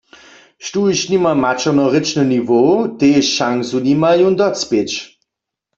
Štóž nima maćernorěčny niwow, tež šansu nima jón docpěć.